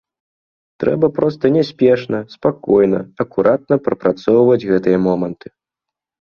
Трэба проста няспешна, спакойна, акуратна прапрацоўваць гэтыя моманты.